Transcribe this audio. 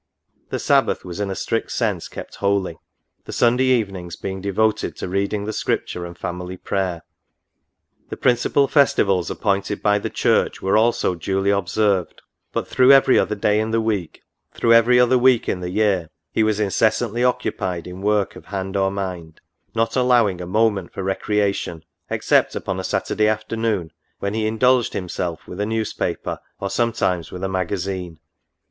The Sabbath was in a strict sense kept holy ; the Sunday evenings being devoted to reading the Scripture and family prayer. The principal festivals appointed by the Church were also duly observed ; but through every other day in the week, through every week in the year, he was incessantly occupied in work of hand or mind ; not allowing a moment for recreation, except upon a Saturday afternoon, when he indulged himself with a Newspaper, or sometimes with a Magazine.